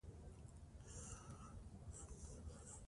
په افغانستان کې د اوږده غرونه تاریخ اوږد دی.